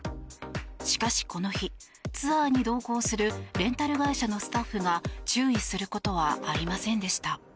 しかし、この日ツアーに同行するレンタル会社のスタッフが注意することはありませんでした。